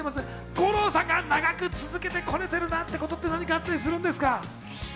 五郎さんが長く続けられてることは何かあったりするんですか？